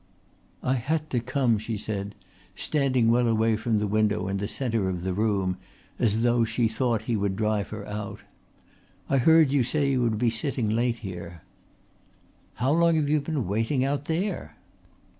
"I had to come," she said, standing well away from the window in the centre of the room as though she thought he would drive her out. "I heard you say you would be sitting late here." "How long have you been waiting out there?"